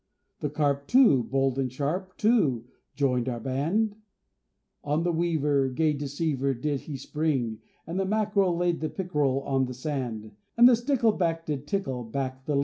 The Carp, too, bold and sharp, too, joined our band, On the Weaver, gay deceiver, did he spring, And the Mack'rel laid the Pick'rel on the sand, And the Stickle back did tickle back the Ling.